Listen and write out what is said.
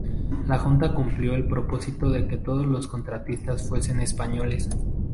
La Junta cumplió el propósito de que todos los contratistas fuesen españoles.